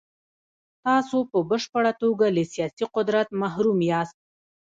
تاسو په بشپړه توګه له سیاسي قدرت محروم یاست.